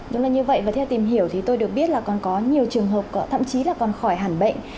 đúng là như vậy và theo tìm hiểu thì tôi được biết là còn có nhiều trường hợp thậm chí là còn khỏi hẳn bệnh